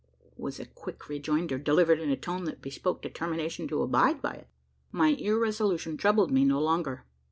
was the quick rejoinder, delivered in a tone that bespoke determination to abide by it. My irresolution troubled me no longer.